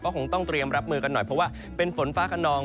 คงต้องเตรียมรับมือกันหน่อยเพราะว่าเป็นฝนฟ้าขนอง